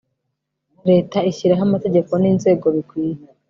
leta ishyiraho amategeko n inzego bikwiye